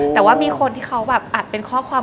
แต่ว่ามีคนที่เขาแบบอัดเป็นข้อความ